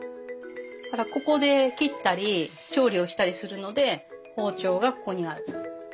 だからここで切ったり調理をしたりするので包丁がここにある。